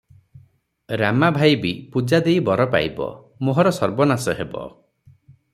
ରାମା ଭାଇ ବି ପୂଜା ଦେଇ ବର ପାଇବ, ମୋହର ସର୍ବନାଶ ହେବ ।